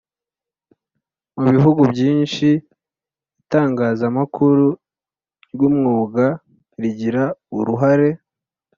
Mubihugu byinshi itangazamakuru ry’umwuga rigira uruhare